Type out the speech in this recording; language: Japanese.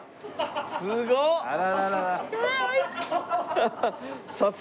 すごっ！